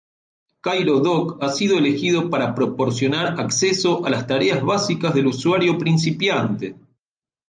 Cairo-Dock ha sido elegido para proporcionar acceso a las tareas básicas del usuario principiante.